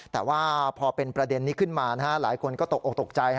แต่ว่าพอเป็นประเด็นนี้ขึ้นมาหลายคนก็ตกออกตกใจ